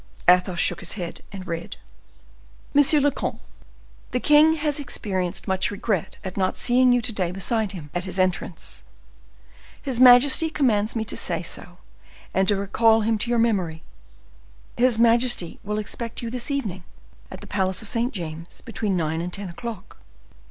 Athos shook his head, and read: "MONSIEUR LE COMTE.—The king has experienced much regret at not seeing you to day beside him, at his entrance. His majesty commands me to say so, and to recall him to your memory. His majesty will expect you this evening, at the palace of St. James, between nine and ten o'clock.